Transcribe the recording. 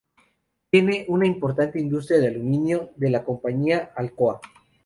Tiene una importante industria del aluminio de la compañía Alcoa.